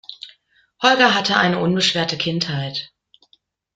Holger hatte eine unbeschwerte Kindheit.